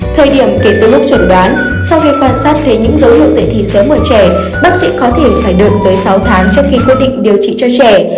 thời điểm kể từ lúc chuẩn đoán sau khi quan sát thấy những dấu hiệu dạy thi sớm ở trẻ bác sĩ có thể phải đợi tới sáu tháng trong khi quyết định điều trị cho trẻ